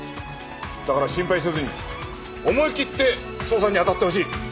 だから心配せずに思い切って捜査に当たってほしい。